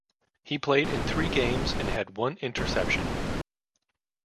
He played in three games and had one interception.